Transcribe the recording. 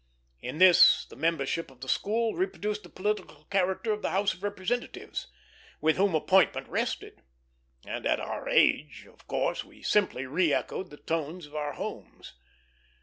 In this the membership of the school reproduced the political character of the House of Representatives, with whom appointment rested; and at our age, of course, we simply re echoed the tones of our homes.